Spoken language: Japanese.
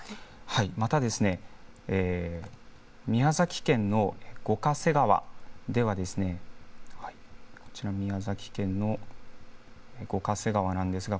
また宮崎県の五ヶ瀬川では、こちら宮崎県の五ヶ瀬川なんですが、